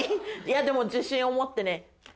でも自信を持ってね。